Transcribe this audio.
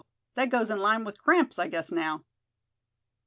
that goes in line with cramps, I guess, now."